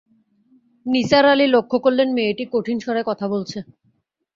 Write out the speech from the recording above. নিসার আলি লক্ষ করলেন, মেয়েটি কঠিন স্বরে কথা বলছে।